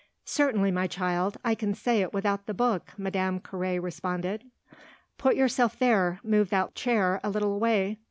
"Certainly, my child; I can say it without the book," Madame Carré responded. "Put yourself there move that chair a little away."